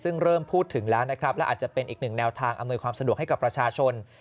ซึ่งเริ่มพูดถึงแล้วนะครับและอาจจะเป็นอีกหนึ่งแนวทางอำนวยความสะดวกให้กับประชาชน